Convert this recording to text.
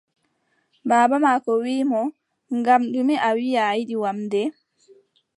Baaba maako wii mo: ngam ɗume a wii a yiɗi wamnde?